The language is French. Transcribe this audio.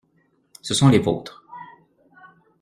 Ce sont les vôtres.